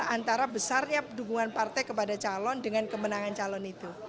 antara besarnya dukungan partai kepada calon dengan kemenangan calon itu